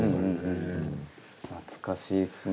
懐かしいっすね。